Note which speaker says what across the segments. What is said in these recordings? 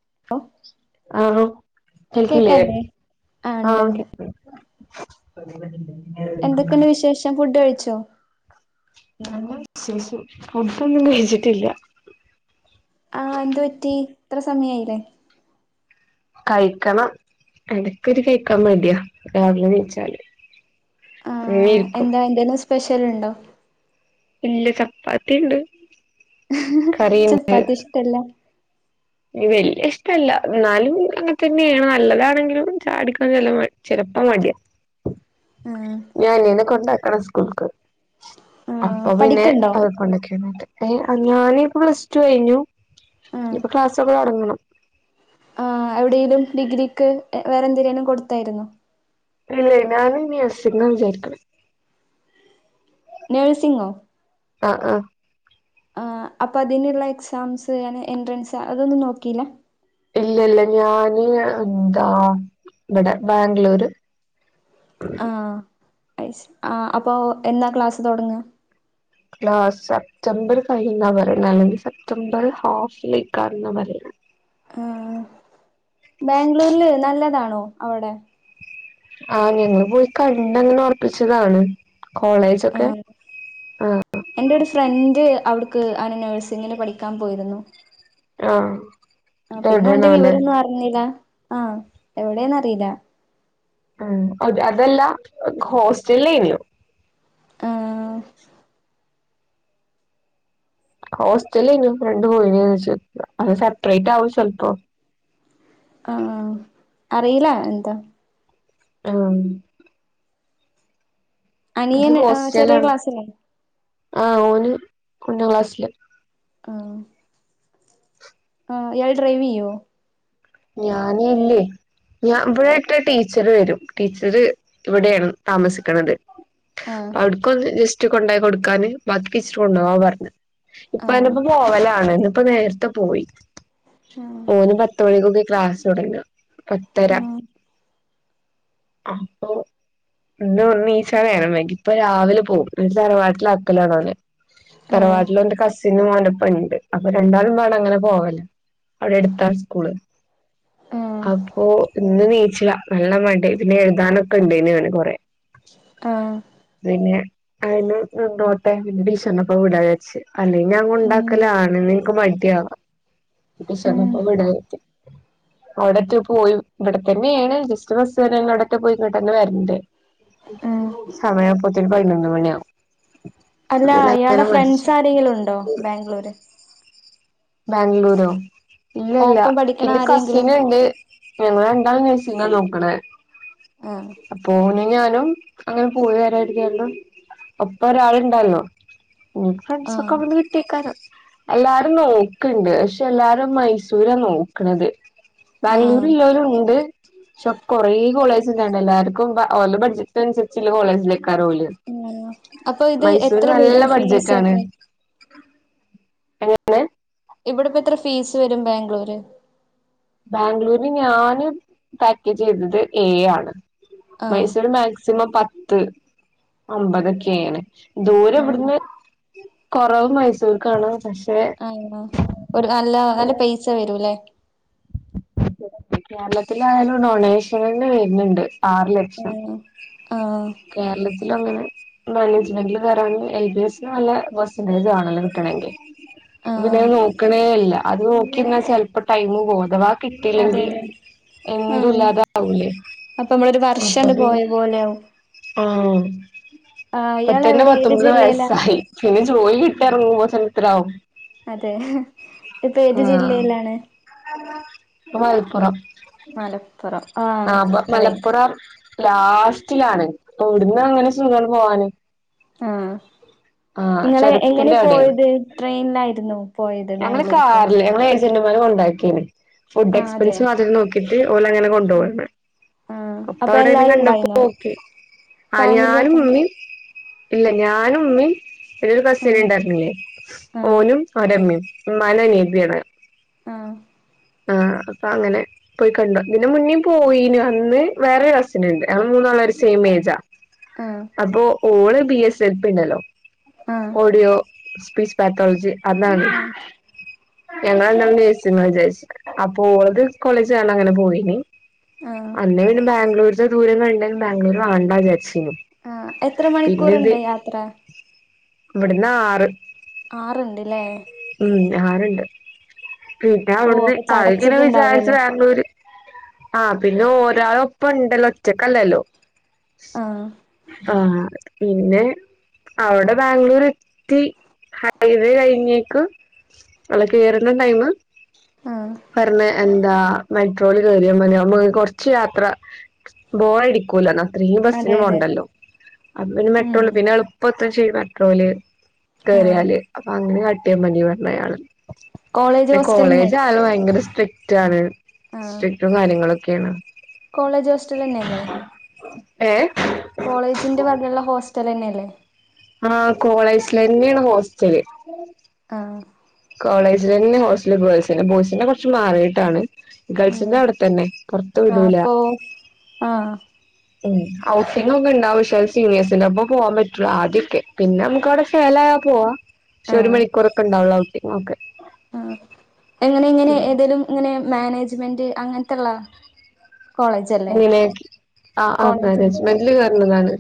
Speaker 1: [inaudible]
Speaker 2: Hello കേൾക്കില്ലേ
Speaker 1: കേക്കാല്ലേ ആ ഉണ്ട്
Speaker 2: ആഹ്
Speaker 1: ഉണ്ട്
Speaker 2: കേ
Speaker 1: എന്തൊക്കെയുണ്ട് വിശേഷം ഫുഡ് കഴിച്ചോ?
Speaker 2: നല്ല വിശേഷം ഫുഡ്‌ ഒന്നും കഴിച്ചിട്ടില്ല
Speaker 1: ആ എന്തു പറ്റി ഇത്ര സമയയില്ലേ
Speaker 2: കഴിക്കണം എടക്കൊരു കഴിക്കാൻ മടിയ രാവിലെ നീച്ചല്
Speaker 1: ആ എന്താ എന്തേലും സ്പെഷ്യൽ ഉണ്ടോ
Speaker 2: ഇല്ല ചപ്പാത്തി ഉണ്ട്
Speaker 1: ചപ്പാത്തി ഇഷ്ടല്ല
Speaker 2: വെല്ല്യ ഇഷ്ടല്ല. ന്നാലും അങ്ങെത്തന്നേണ് നല്ലതാണെങ്കിലും ചായടിക്കാൻ ചെലപ്പോ മടിയ
Speaker 1: [unintelligible]
Speaker 2: ഞാനിയനെ കൊണ്ടാക്കണം സ്കൂൾക്ക്
Speaker 1: ആ
Speaker 2: അപ്പൊ പിന്നെ
Speaker 1: പഠിക്കണ്ടോ
Speaker 2: അത്‌ കൊണ്ടാക്കി വന്നിട്ട്. ഞാനിപ്പോ പ്ലസ് ടു കഴിഞ്ഞു
Speaker 1: ഏഹ്
Speaker 2: ക്ലാസ്സോക്കെ തോടങ്ങണം
Speaker 1: ആഹ് എവിടെലും ഡിഗ്രിക്ക് വേറെ എന്തിനേങ്കിലും കൊടുത്തായിരുന്നോ
Speaker 2: ഇല്ലേ ഞാന് നി നേഴ്സിങ് വിചാരിക്കണ്.
Speaker 1: നേഴ്സിങ്ങോ?
Speaker 2: ആഹ് ആഹ്
Speaker 1: ആഹ് അപ്പൊ അതിനുള്ള എക്സാംസ് എൻട്രൻസ് അതൊന്നും നോക്കിയില്ല
Speaker 2: ഇല്ലല്ല ഞാന് ന്താ വിടെ ബാംഗ്ലൂര്
Speaker 1: ആഹ് ആ അപ്പൊ എന്നാ ക്ലാസ് തുടങ്ങ
Speaker 2: ആ സെപ്റ്റംബർ കഴിയുംന്നാ പറയണ, അല്ലെങ്കിൽ സെപ്റ്റംബർ ഹാഫ് ലേക്കാവും ന്നാ പറയണ
Speaker 1: ആ ബാംഗ്ലൂരില് നല്ലതാണോ അവിടെ
Speaker 2: ആഹ് ഞങ്ങള് പോയി കണ്ടങ്ങനെ ഉറപ്പിച്ചതാണ് കോളേജോക്കെ
Speaker 1: ആഹ്
Speaker 2: ആഹ.
Speaker 1: എന്റെ ഒരു ഫ്രണ്ട് അവിടുക്ക് ആണ് നഴ്സിങ്ങിന് പഠിക്കാൻ പോയിരുന്നു
Speaker 2: ആഹ്
Speaker 1: ആ പിന്നെ ഓന്റെ
Speaker 2: എവിടെയാണാവല്ലേ
Speaker 1: വിവരോന്നും അറിഞീല ആഹ എവിടെന്ന അറീല
Speaker 2: ഉം അതല്ല ഹോസ്റ്റെലേനോ
Speaker 1: ഉം
Speaker 2: ഹോസ്റ്റലേനു ഫ്രണ്ട് പോയിന്ന [unintelligible] അത് സെപ്പറേറ്റ് ആവും ചെൽപ്പോ
Speaker 1: ആഹ... അറിയില്ല എന്താ
Speaker 2: ഉം ഇത്
Speaker 1: അനിയൻ അ ചെറിയ
Speaker 2: ഹോസ്റ്റലാണ്
Speaker 1: ക്ലാസ്സിലാണ്
Speaker 2: ആഹ് ഓന് ഒന്നാം ക്ലാസ്സില
Speaker 1: ഉം ആഹ യാൾ ഡ്രൈവ് ചെയ്യോ
Speaker 2: ഞാന് ല്ലേയ് ഞാ ഇവിടെക്ക ടീച്ചർ വരും. ടീച്ചർ ഇവിടെയാണ് താമസിക്കണ്ത്
Speaker 1: ആഹ്
Speaker 2: അടുക്കൊന്ന് ജസ്റ്റ് കൊണ്ടോയി കൊടുക്കാന് ബാക്കിടീചർ കൊണ്ടോകാ പറഞ്
Speaker 1: ആഹ്
Speaker 2: ഉപ്പാന്റൊപ്പം പോവലാണ് ന്ന് ഇപ്പ നേർത്തെ പോയി
Speaker 1: ആഹ്
Speaker 2: ഓന് പത്തുമണിക്കൊക്കെ ക്ലാസ് തോടങ്ങ പത്തര
Speaker 1: ആഹ്
Speaker 2: അപ്പൊ ഇന്ന് ഒന്ന് നീച്ചാൻ നേരം വൈകി പ്പ രാവിലെ പോവും തറവാട്ടിലക്കലാണ് ഓനെ
Speaker 1: ആഹ്
Speaker 2: തറവാട്ടിലോന്റെ കസി സിനും ഓന്റപ്പം ഉണ്ട് അപ്പൊ രണ്ടാളും പാട അങ്ങനെ പോവല് അവിടെ എട്ത്താ സ്കൂള്
Speaker 1: ആഹ്
Speaker 2: അപ്പൊ ഇന്ന് നീച്ചില നല്ല മടി പിന്നെ പിനെഴുതാനൊക്കെ ഇണ്ടേയ്നു കൊറേ
Speaker 1: ആഹ്
Speaker 2: പിന്നെ [unintelligible] ന്നോട്ടെ ടിചർന്റോപ്പം വിടാന്നേച്ച് അല്ലെങ്കി ഞാ
Speaker 1: ഉം
Speaker 2: കൊണ്ടാക്കലാണ് ഇന്ന് ന്ക്ക് മടിയാവ
Speaker 1: ഉം
Speaker 2: ടീച്ചർന്റൊപ്പം വിടാന്ന് കരുതി അവിടറ്റം പോയി ഇവിടത്തന്നേണ് ജസ്റ്റ് ബസ് [unintelligible] അവിടറ്റം പോയി ഇങ്ങട്ടന്നെ തന്നെ വരണ്ടെ
Speaker 1: ആഹ്
Speaker 2: പതിനൊന്ന് മണിയാവും അപ്പൊ
Speaker 1: അല്ല
Speaker 2: പിന്നെ
Speaker 1: യാളെ
Speaker 2: അങ്ങനെ മടിച്ചു
Speaker 1: ഫ്രണ്ട്സാരെങ്കിലുണ്ടോ? ബാംഗ്ളൂര്.
Speaker 2: ബാംഗ്ലൂരോ ഇല്ല്യല്ല
Speaker 1: ഒപ്പം പഠിക്കണ
Speaker 2: ഇന്റെ
Speaker 1: ആരെങ്കിലും
Speaker 2: കസിന്ണ്ട്. ഞങ്ങളെണ്ടാളുംനേഴ്സിങാ നോക്കണെ.
Speaker 1: ആഹ്
Speaker 2: പോനും ഞാനും അങ്ങനെ പോയിവരാര് തിയാണ്ട് ഒപ്പ ഒരാളുണ്ടല്ലോ. ഞ്ഞി
Speaker 1: ആഹ്
Speaker 2: ഫ്രണ്ട്സൊക്കെ അവ്ട്ന്ന് കിട്ടുയ്ക്കാരം എല്ലാരും നോ ക്ക്ണ്ട് പക്ഷെ എല്ലാരും മൈസൂര നോക്കണത്
Speaker 1: ആഹ്
Speaker 2: ബാംഗ്ലൂര്ല്ലോരും ണ്ട് ക്ഷെ കൊറേ കോളേജ് [unintelligible] എല്ലാര്ക്കും ഓലെ ബഡ്ജറ്റ്നനുസരിച്ച്ള്ള കോളേജിലേക്കാരം ഓൽക്ക്.
Speaker 1: ആണോ അപ്പൊ ഇത്
Speaker 2: മൈസൂര്
Speaker 1: എത്ര വരും
Speaker 2: നല്ല ബഡ്ജറ്റ് ആണ്.
Speaker 1: ഫീസൊക്കെ ഇവിടെപ്പ ത്ര ഫീസ് വരും ബാംഗ്ലൂര്?
Speaker 2: ബാംഗ്ലൂരിൽ ഞാന് പാക്കേജ് ചെയ്തത് ഏഴ് ആണ്.
Speaker 1: ആഹ്
Speaker 2: മൈസൂര് മാക്സിമം പത്ത് ഒ മ്പതൊക്കെ ആണ്. ദൂരം
Speaker 1: ആഹ്
Speaker 2: വിടുന്ന് കുറവ് മൈസൂർക്കാണ് പക്ഷെ
Speaker 1: [inaudible] ഒരു അല്ല നല്ല പൈസ വരൂല്ലേ?
Speaker 2: കേരളത്തിലായാലും ഡൊണേഷനന്നെ വര്ന്ണ്ട് ആറ് ലക്ഷം.
Speaker 1: ആഹ് ആഹ്
Speaker 2: കേരളത്തിലും അങ്ങനെ മാനേജ്‍മെന്റില് കേരാന് എൽ ബി എസ് ന് നല്ല പേസെന്റേജ് ആണല്ലോ കിട്ടണങ്കി. പിന്നെ
Speaker 1: ആഹ്
Speaker 2: നോക്കണേ ഇല്ല അത് നോക്കി ന്നാ ചെൽപ്പോ ടൈമ് പോവും ഥവാ
Speaker 1: അതെ
Speaker 2: കിട്ടല്ലെങ്കി
Speaker 1: അതെ
Speaker 2: എന്തും
Speaker 1: ആഹ്
Speaker 2: ഇല്ലാതാവൂലേ
Speaker 1: അപ്പൊ നമ്മളൊരു
Speaker 2: അപ്പ
Speaker 1: വർഷണ്ട്
Speaker 2: പിന്നെ
Speaker 1: പോയ പോലെയാവും
Speaker 2: ആഹ്
Speaker 1: ആഹ് ഇയാൾ
Speaker 2: പ്പത്തന്നെ
Speaker 1: എവിടെ ഏത്
Speaker 2: പത്തൊമ്പത്
Speaker 1: ജില്ലയിലാ
Speaker 2: വയസ്സായി. പിന്നെ ജോലി കിട്ടി എർങ്ങുമ്പോത്തിന് എത്രാവും?
Speaker 1: അതെ ഹ് ഇത് ഏത് ജില്ലയിലാണ്?
Speaker 2: [unintelligible] ത് മലപ്പുറം.
Speaker 1: മലപ്പുറം
Speaker 2: ആഹ് പ്പ മലപ്പുറം ലാസ്റ്റിലാണ് ഒട്ന്ന് അങ്ങനെ സുഗാണ് പോവാന്.
Speaker 1: ആഹ്
Speaker 2: ആഹ്
Speaker 1: നിങ്ങള് എങ്ങനെ
Speaker 2: ചുരത്തിന്റെ അവിടെയാണ്
Speaker 1: പോയത് ട്രെയിനിലായിരുന്നൊ?
Speaker 2: ഞങ്ങള് കാറില് ഞങ്ങളെ ഏജന്റുമാര് കൊണ്ടാക്കിയ്ന്. ഫുഡ്
Speaker 1: ആഹ് അതെ
Speaker 2: എക്സ്പെൻസ് അതിൽ നോക്കിട്ട് ഓലങ്ങനെ
Speaker 1: ഉം
Speaker 2: കൊണ്ടോവാണ്.
Speaker 1: ആഹ്
Speaker 2: [unintelligible]
Speaker 1: അപ്പൊ എല്ലാരും ഉണ്ടായിന്നോ ഫാമിലിയൊക്കെ
Speaker 2: ഇല്ല ഞാനും മ്മീം പിന്നൊരു
Speaker 1: ആഹ്
Speaker 2: കസിന്ണ്ടായിര്ന്നില്ലേ
Speaker 1: ആഹ്
Speaker 2: ഓനും ഓന്റമ്മേം മ്മാന്റെനിയത്തിആണ്.
Speaker 1: ആഹ്
Speaker 2: ആഹ അപ്പൊ അങ്ങനെ പോയി കണ്ടു ഇതിന്റെ മുന്നേം പോയിനു അന്ന് വേറെ കസിനുണ്ട് ഞങ്ങൾ മൂന്നാളും ഒരു സെയിം ഏജാ. അപ്പൊ ഓള് ബി എസ് എൽ പിണ്ടല്ലോ
Speaker 1: ആഹ്
Speaker 2: ഓടിയോ സ്പീച് പെത്തോൾജ് [unintelligible]
Speaker 1: ആഹ്
Speaker 2: ഞങ്ങള് രണ്ടാളും നെഴ്സിംങ്ങാ വിചാരിച്ച് അപ്പൊ ഓൾത് കോളേജ് കാണാൻങ്ങനെ പോയിന്.
Speaker 1: ആഹ്
Speaker 2: അന്നേയ്ന് ബാംഗ്ലൂര്ത്തെ ദൂരം കണ്ട് ബാംഗ്ലൂര് വേണ്ടാജാര്ച്ചീനു.
Speaker 1: ആ എത്ര മണിക്കൂർണ്ട് യാത്ര?
Speaker 2: ഇവിട്ന്നാറ്.
Speaker 1: ആറ്ണ്ട്ലേ.
Speaker 2: ഉം ആറ്ണ്ട് പിന്നെ
Speaker 1: ഓഹ്
Speaker 2: അവിടുന്ന്
Speaker 1: അപ്പൊ
Speaker 2: ആങ്ങനെ വിചാരിച്ച്
Speaker 1: ചടച്ചിട്ടുണ്ടാവല്ലോ
Speaker 2: ബാംഗ്ലൂര് ആഹ പിന്നെ ഒരാള ഒപ്പം ഉണ്ടല്ലോ ഒറ്റ ക്കല്ലല്ലോ?
Speaker 1: ആഹ്
Speaker 2: ആഹ് പിന്നെ അവിടെ ബാംഗ്ലൂർ എത്തി ഹൈവേ കഴിഞ്ഞ ക്ക് കേറുന്ന ടൈം
Speaker 1: ആഹ്
Speaker 2: പറഞ്ഞ എന്താ? മെട്രോയിൽ കയറിയാ മതിനമ്മു കുറച്ച് യാത്ര ബോർടിക്കൂല എന്നാ, അത്രയും
Speaker 1: അതെ
Speaker 2: ബസ്സിനന്
Speaker 1: അതെ
Speaker 2: പോണ്ടല്ലോ അപ്പ പിന്നെ
Speaker 1: ഉം
Speaker 2: മെട്രോില് പിന്നെ എളുപ്പ [unintelligible] [unintelligible]
Speaker 1: ആഹ്
Speaker 2: [unintelligible] അപ്പൊ അങ്ങനെ കാട്ടിയ മതി
Speaker 1: കോളേജ്
Speaker 2: പറഞ്ഞയാളല്ല.
Speaker 1: ഹോസ്റ്റലന്നെല്ലേ
Speaker 2: കോളേജആൾ ഭയങ്കര സ്ട്രിക്ട് ആണ്.
Speaker 1: ആഹ്
Speaker 2: സ്ടിറ്റും കാര്യങ്ങളൊക്കെയാണ്.
Speaker 1: കോളേജ് ഹോസ്റ്റൽ തന്നെയല്ലേ?
Speaker 2: ഏ
Speaker 1: കോളേജിന്റെ വകയുള്ള ഹോസ്റ്റൽ തന്നെയല്ലേ?
Speaker 2: ആഹ് കോളേജിൽ തന്നെയാണ് ഹോസ്റ്റല്. ഉം
Speaker 1: ആഹ്
Speaker 2: കോളേജിൽ തന്നെ ഹോസ്റ്റല ഗേൾസിൻ്റെ ബോയ്സിനു കുറച്ച് മാറിയിട്ടാണ്.
Speaker 1: ഉം
Speaker 2: ഗേൾസിന്റെ അവിടെ തന്നെ പുറത്തു
Speaker 1: ആഹ്
Speaker 2: വിടൂല.
Speaker 1: അപ്പൊ ആഹ്
Speaker 2: ഉം ഹൗസിംഗ ഒക്കെ ഉണ്ടാവ പക്ഷെ സീനിയേഴ്സിന്റെ ഒപ്പം പോവാൻ പറ്റുള്ളൂ ആദ്യൊക്കെ പിന്നെ നമുക്ക് അവിടെ [unintelligible] പോവാ പക്ഷെ ഒരു
Speaker 1: ആഹ്
Speaker 2: മണിക്കൂറൊക്കെ ഉണ്ടാവുള്ളൂ ഔട്ടിംഗ് ഒക്കെ,
Speaker 1: ആഹ് എങ്ങനെ എങ്ങനെ ഏതെലും ഇങ്ങനെ മാനേജ്മെന്റ് അങ്ങനത്തള്ളാ
Speaker 2: [unintelligible] ആ ആ
Speaker 1: കോളേജ്
Speaker 2: മാനേജ്മെന്റില് കേറണതാണ്.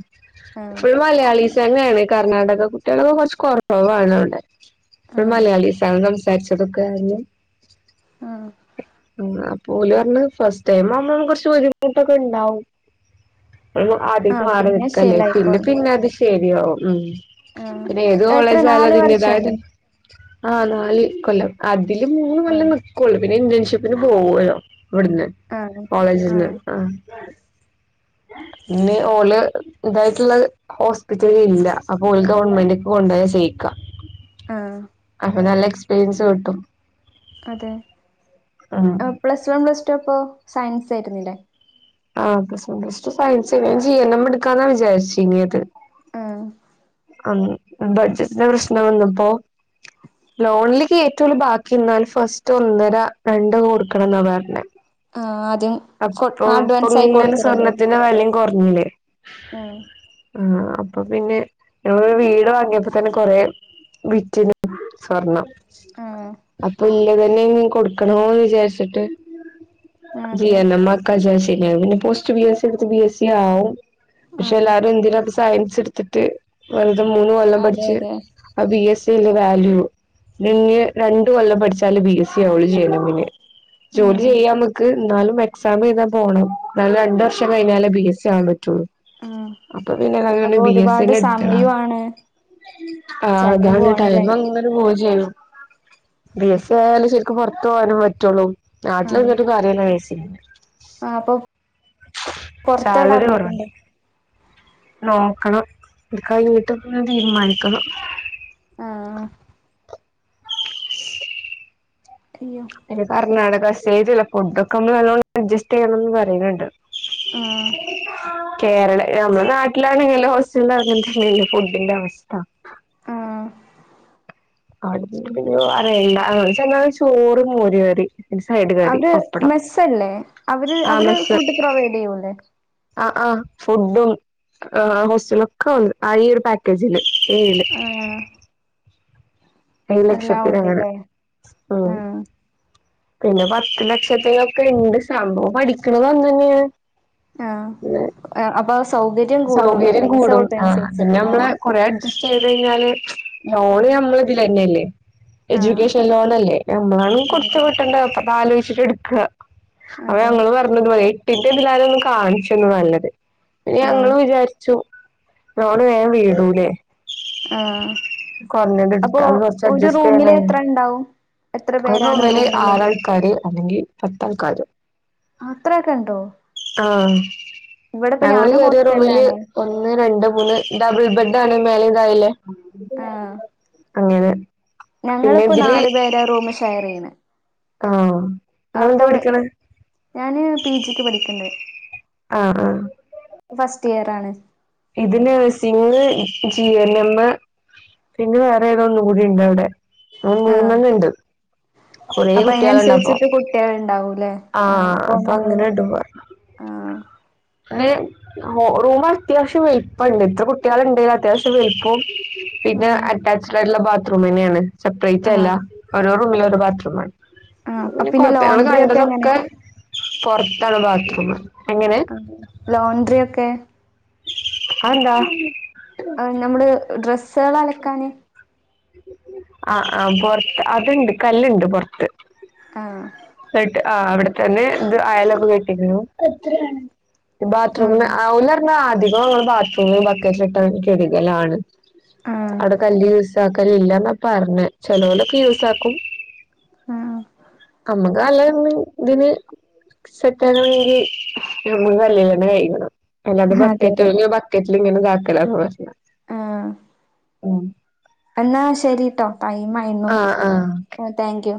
Speaker 1: ആഹ്
Speaker 2: ഫുള്ളും മലയാളിസ് തന്നെയാണ്. കർണ്ണാടക കുട്ടികളൊക്കെ കുറച്ച് കുറവണവടെ, ഫുൾ
Speaker 1: ആഹ്
Speaker 2: മലയാളീസ് ആണ് സംസാരിച്ചതൊക്കെ അഞ്ഞു.
Speaker 1: ആഹ്
Speaker 2: അപ്പം ഓല് പറഞ്ഞത് ഫസ്റ്റ് ടൈം അമ്പോൾ കുറച്ച് ബുദ്ധിമുട്ടൊക്കെ ഉണ്ടാവും. ആദ്യട്ട്
Speaker 1: ആഹ്
Speaker 2: മാറി
Speaker 1: പിന്നെ
Speaker 2: നിൽക്കല്ലേ പിന്നെ
Speaker 1: ശീലായിക്കോളും
Speaker 2: പിന്നെ അത് ശരിയാകും ഉം.
Speaker 1: ആഹ്
Speaker 2: പിന്നെ ഏത്
Speaker 1: എത്ര
Speaker 2: കോളേജ അല്ല
Speaker 1: നാല് വർഷാണോ
Speaker 2: [unintelligible] ആ നാല് കൊല്ലം അതില് മൂന്ന് കൊല്ലം
Speaker 1: ആഹ്
Speaker 2: നിക്കോളു. പിന്നെ ഇന്റേൺഷിപ്പിന് പോവല്ലോ ഇവിടുന്ന്
Speaker 1: ആഹ്
Speaker 2: കോളേജിൽ നിന്ന്
Speaker 1: ആഹ്
Speaker 2: ആ പിന്നെ ഓള് ഇതായിട്ടുള്ളത് ഹോസ്പിറ്റല് ഇല്ല അപ്പൊ ഓള് ഗവൺമെന്റ് കൊണ്ടുപോയ ചെയ്യിക്കാം.
Speaker 1: ആഹ്
Speaker 2: അപ്പൊ നല്ല എക്സ്പീരിയൻസ് കിട്ടും.
Speaker 1: അതെ,
Speaker 2: ആഹ്
Speaker 1: പ്ലസ് വൺ, പ്ലസ് ടു അപ്പോൾ സയൻസ് ആയിരുന്നില്ലേ?
Speaker 2: ആ പ്ലസ് വൺ, പ്ലസ് ടു സയൻസ്ൻ തന്നെ ഞാൻ ജീ എൻ എം എടുക്കാന്നാ വിചാരിച്ചിനിയത്.
Speaker 1: ആഹ്
Speaker 2: അന്ന് ബഡ്ജറ്റന്റെ പ്രശ്നം വന്നപ്പോ ലോണിൽ കേറ്റുഉള്ളു ബാക്കി നിന്നാൽ ഫസ്റ്റ് ഒന്നര രണ്ടോ കൊടുക്കണം എന്നാ പറഞ്ഞേ,
Speaker 1: ആ [unintelligible]
Speaker 2: അപ്പൊ ഇപ്പോങ്ങനെ സ്വർണത്തിന്റെ വിലയും കുറഞ്ഞില്ലേ?
Speaker 1: ആഹ്
Speaker 2: ആ അപ്പൊ പിന്നെ ഞങ്ങള് വീട് വാങ്ങിയപ്പോ തന്നെ കൊറെ [unintelligible] സ്വർണം
Speaker 1: ആഹ്
Speaker 2: അപ്പൊ ഇല്ല തന്നെയും കൊടുക്കണോന്ന് വിചാരിച്ചിട്ട് ജി
Speaker 1: അതെ
Speaker 2: എൻ എം ആകാ വിചാരിച്ചിനു ഇല്ലേ പിന്നെ പോസ്റ്റ് ബി എസ് ഇ എടുത്ത് ബി എസ് ഇ ആവും. പക്ഷെ
Speaker 1: ആഹ്
Speaker 2: എല്ലാരും എന്തിനഇപ്പം സയൻസ് എടുത്തിട്ട് വെറുതെ മൂന്ന് കൊല്ലം
Speaker 1: അതെ
Speaker 2: പഠിച്ച്
Speaker 1: അതെ
Speaker 2: ആ ബി എസ് സി അല്ലെ വാല്യൂ. [unintelligible] രണ്ടു കൊല്ലം പഠിച്ചാല് ബി എസ് സി ആവുള്ളൂ ജനുവിന്. ജോലി
Speaker 1: ഉം
Speaker 2: ചെയ്യാംമക്ക് എന്നാലും എക്സാം എഴുതാൻ പോകണം. എന്നാലും രണ്ടു വർഷം കഴിഞ്ഞാലേ ബി എസ് സി ആവാൻ പറ്റുള്ളൂ.
Speaker 1: ആഹ്
Speaker 2: അപ്പൊ പിന്നെഅതങ്ങന്ട്
Speaker 1: അപ്പൊ
Speaker 2: ബി എസ് സി
Speaker 1: ഒരുപാട്
Speaker 2: തന്നെ എടുത്തളാം.
Speaker 1: സമയവാണ്
Speaker 2: ആ
Speaker 1: ചെലവു
Speaker 2: അതാണ്
Speaker 1: ആണ്ല്ലേ
Speaker 2: ടൈം അങ്ങനെ പോകെ ചെയ്യുള്ളൂ. ബി എസ് സി ആയാലും ശരിക്കും പുറത്തു പോകാനെ പറ്റുള്ളൂ. നാട്ടിൽ നിന്നിട്ട് കാര്യല്ല ബി എസ് സി.
Speaker 1: ആ അപ്പൊ പൊറത്തവിടെ
Speaker 2: സാലറി കുറവല്ലേ
Speaker 1: [unintelligible]
Speaker 2: നോക്കണം ക്ക് വീട്ടിൽ നിന്ന് തീരുമാനിക്കണം.
Speaker 1: ആഹ്. അയ്യോ.
Speaker 2: ഒരു കർണാടക സ്റ്റേറ്റ് അല്ലേ ഫുഡ് ഒക്കെ ഒന്ന് നല്ലോണം അഡ്ജസ്റ്റ് ചെയ്യണം എന്ന് പറയണുണ്ട്.
Speaker 1: ആഹ്
Speaker 2: കേരളം നമ്മുടെ നാട്ടിലാണെങ്കിലും ഹോസ്റ്റലില് അങ്ങനത്തെന്നയല്ലേ ഫുഡിന്റെ അവസ്ഥ.
Speaker 1: ആഹ്
Speaker 2: അവിടത്തെ പിന്നെ പറയണ്ട ചോറും, മോര് കറി. പിന്നെ സൈഡ് കറി
Speaker 1: അവര്
Speaker 2: പപ്പടം
Speaker 1: മെസ്സ് അല്ലേ അവര്
Speaker 2: ആഹ്
Speaker 1: അവര്
Speaker 2: മെസ്സ്
Speaker 1: ഫുഡ് പ്രൊവൈഡ് ചെയ്യൂല്ലേ?
Speaker 2: ആഹ് ആഹ് ഫുഡും ആ ഹോസ്റ്റല് ഒക്കെ ഉള്ളത് ആ ഈ ഒരു പാക്കേജില് ഏഴില്.
Speaker 1: ആഹ്.
Speaker 2: ഏഴു
Speaker 1: എല്ലാം
Speaker 2: ലക്ഷത്തിലങ്ങനെ.
Speaker 1: ഉണ്ട്ല്ലേ ആഹ്
Speaker 2: പിന്നെ പത്ത് ലക്ഷത്തിലൊക്ക ഇണ്ട് സംഭവം പഠിക്കണത് അങ്ങനെയാ.
Speaker 1: ആഹ് അപ്പ
Speaker 2: സൗകര്യം കൂടും പിന്നെ നമ്മള്
Speaker 1: ആഹ്
Speaker 2: കൊറെ അഡ്ജ ജസ്റ്റ് ചെയ്ത് കഴിഞ്ഞാല് ലോണ്
Speaker 1: ആഹ്
Speaker 2: നമ്മള് ഇതില് തന്നെയല്ലേ.
Speaker 1: ആഹ്
Speaker 2: എഡ്യൂക്കേഷൻ ലോണല്ലേ നമ്മള്ആണോ കൊടുത്തു
Speaker 1: ആഹ്
Speaker 2: വിട്ടേണ്ടേ അപ്പ അത് ആലോചിച്ചിട്ട് എടുക്കാം. അവ
Speaker 1: അതെ
Speaker 2: ഞങ്ങൾ പറഞ്ഞത് ഇത് പോലെ ഏട്ടിന്റെ ഇതിലരേ ഒന്ന് കാണിച്ച് തന്ന് നല്ലത്. പിന്നെ ഞങ്ങള്
Speaker 1: ആഹ്
Speaker 2: വിചാരിച്ചു ലോൺ വേഗം വിടുലേ?
Speaker 1: ആഹ്
Speaker 2: കൊറഞ്ഞത് എടുത്താൽ കുറച്ച് അഡ്ജസ്റ്റ് ചെയ്യണേ.
Speaker 1: ഉണ്ടാവും.
Speaker 2: അതു മേലെ ആറാൾക്കാര് അല്ലെങ്കിൽ പത്താൾക്കാര്.
Speaker 1: അത്രയൊക്കെ ഉണ്ടോ?
Speaker 2: ആഹ് ഞങ്ങള്
Speaker 1: ഞാനും
Speaker 2: കേറയ റൂമില്
Speaker 1: ഹോസ്റ്റലിലാണ്
Speaker 2: ഒ ഒന്ന്, രണ്ട്, മൂന്ന്, ഡബിൾ ബെഡ് ആണ് മേലെ താഴേയും ഉള്ളേ
Speaker 1: ആഹ്
Speaker 2: അങ്ങനെ. പിന്നെ
Speaker 1: ഞങ്ങളിപ്പോ
Speaker 2: ഇതില്
Speaker 1: നാലു പേരാ റൂമ് ഷെയർ ചെയ്യണ്
Speaker 2: ആഹ്
Speaker 1: അപ്പൊ
Speaker 2: നിങ്ങളെന്താ പഠിക്കണേ
Speaker 1: ഞാന് പി ജിക്ക് പഠിക്ക്‌ യുണ്ട്.
Speaker 2: ആഹ് ആഹ്.
Speaker 1: ഫസ്റ്റ് ഇയറാണ്.
Speaker 2: ഇതിന് സിങ്, ജി എൻ എമ്മ് പിന്നെ വേറെ ഏതോ ഒന്നും കൂടിയുണ്ട് അവിടെ. ആഹ് മൂന്നെണ്ണം ഉണ്ട്. കുറേ
Speaker 1: അപ്പൊ
Speaker 2: കുട്ടികളുണ്ട് ഇപ്പം
Speaker 1: അതിനനുസരിച്ചിട്ട് കുട്ടികൾ ഉണ്ടാവൂല്ലേ
Speaker 2: ആഹ് അപ്പൊ
Speaker 1: നമ്മള്
Speaker 2: അങ്ങനെ ഇണ്ട് പറഞ്ഞു.
Speaker 1: ആഹ്.
Speaker 2: പിന്നെ റൂം അത്യാവശ്യം വലിപ്പം ഉണ്ട് ഇത്ര കുട്ടികൾുണ്ടെങ്കിലും അത്യാവശ്യം വലിപ്പോ പിന്നെ
Speaker 1: ആഹ്
Speaker 2: അറ്റാച്ച്ഡ് ആയിട്ടുള്ള ബാത്റൂം തന്നെയാണ് സെപ്പറേറ്റ് അല്ല.
Speaker 1: ആഹ്
Speaker 2: ഓരോ റൂമിൽ ഒരു ബാത്റൂ ആണ്
Speaker 1: ആഹ്
Speaker 2: പിന്നെ ഞങ്ങളു
Speaker 1: ലോണ്ട്രി ഒക്കെ എങ്ങനെ
Speaker 2: കണ്ടതൊക്കെ. പുറത്താണ് ബാത്റൂമ് എങ്ങനെ.
Speaker 1: ആഹ് ലോണ്ട്രി ഒക്കെ.
Speaker 2: അത് എന്താ?
Speaker 1: നമ്മള് ഡ്രെസ്സുകള് അലക്കാന്.
Speaker 2: ആഹ് ആ ഹ് പുറത്ത് അതുണ്ട് കല്ലുണ്ട് പൊറാത്ത്.
Speaker 1: ആഹ്.
Speaker 2: എന്നട്ട് ആഹ് അവിടെത്തന്നെ ഇത് അയാലൊക്കെ കെട്ടിക്കുണു. ബാത്റൂമ്
Speaker 1: ആഹ്
Speaker 2: ഓല് പറഞ്ഞ അധികോ നമ്മള് ബാത്റൂമിൽ ബക്കറ്റിലിട്ട് കഴികലാണ്.
Speaker 1: ആഹ്
Speaker 2: അവിടെ കല്ല് യൂസ് ആക്കല് ഇല്ല എന്നാ പറഞ്ഞേ ചെലേരൊക്കെ യൂസ് ആക്കും.
Speaker 1: ആഹ്
Speaker 2: നമ്മക്ക് നല്ലതെന്ന് ഇതിന്. സെറ്റാവാണെങ്കിൽ നമ്മക്ക് കല്ലില് തന്നെകഴുക്കണം. അല്ലാതെ
Speaker 1: അതെ അതെ
Speaker 2: ബക്കറ്റ് ബക്കറ്റിൽ ഇങ്ങനെ ഇതാക്കലന്ന് പറഞ്ഞേ.
Speaker 1: ആഹ്.
Speaker 2: ആഹ്.
Speaker 1: എന്നാ ശരിട്ടോ ടൈം ആയുണ്
Speaker 2: ആഹ് ആഹ്
Speaker 1: താങ്ക് യു.